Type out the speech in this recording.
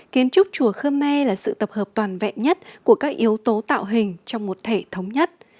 kiến trúc chùa khơ me là sự tập hợp toàn vẹn nhất của các yếu tố tạo hình trong một thể thống nhất